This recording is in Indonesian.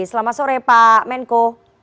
selamat sore pak menko